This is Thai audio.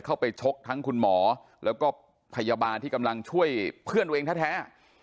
ชกทั้งคุณหมอแล้วก็พยาบาลที่กำลังช่วยเพื่อนตัวเองแท้